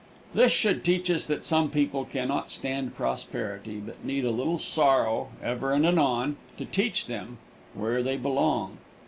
This should teach us that some people can not stand prosperity, but need a little sorrow, ever and anon, to teach them where they belong.